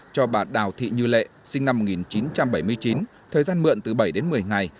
cho bà đào thị như lệ sinh năm một nghìn chín trăm bảy mươi chín thời gian mượn từ bảy đến một mươi ngày